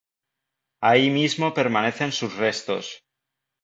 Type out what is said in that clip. Ahí mismo permanecen sus restos.